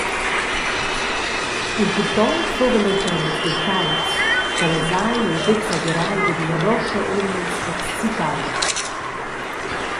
Impurtont fuvan denton ils detagls, palesai ed exagerai dad ina roscha umens excitai.